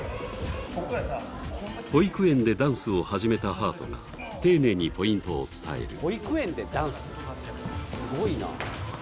保育園でダンスを始めたはあとが丁寧にポイントを伝える。